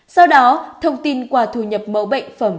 sau đó thông tin qua thu nhập mẫu bệnh phẩm